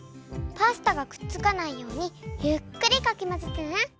パスタがくっつかないようにゆっくりかきまぜてね。